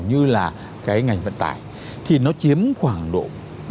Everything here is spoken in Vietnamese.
như là cái ngành vận tải thì nó chiếm khoảng độ ba mươi bốn mươi